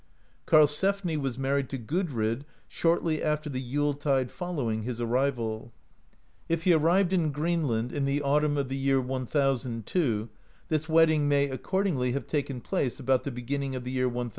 Karlsefni was mar ried to Gudrid shortly after the Yule tide following his arrival. If he arrived in Greenland in the autumn of the year 1002, this wedding may, accordingly, have taken place about the beginning of the year 1003.